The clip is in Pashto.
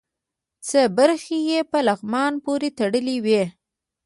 څه برخې یې په لغمان پورې تړلې وې.